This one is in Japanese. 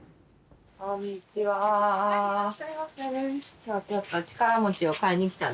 こんにちは。